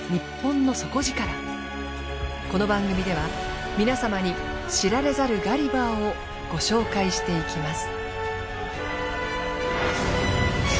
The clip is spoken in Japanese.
この番組では皆様に知られざるガリバーをご紹介していきます。